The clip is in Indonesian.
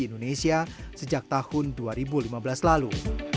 indonesia sejak tahun dua ribu lima belas lalu